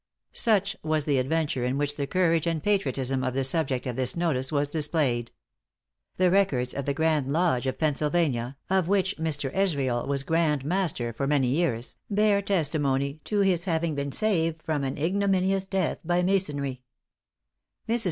Such was the adventure in which the courage and patriotism of the subject of this notice was displayed. The records of the Grand Lodge of Pennsylvania, of which Mr. Israel was Grand Master for many years, bear testimony to his having been saved from an ignominous death by masonry. Mrs.